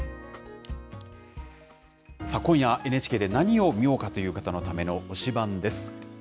今夜、ＮＨＫで何を見ようかという方のための推しバンです。